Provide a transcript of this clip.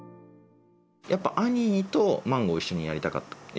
やっぱり兄とマンゴーを一緒にやりたかった。